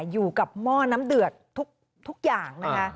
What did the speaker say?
หม้อน้ำเดือดทุกอย่างนะคะ